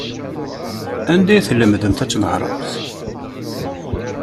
Anda ay tlemdemt ad tnehṛemt?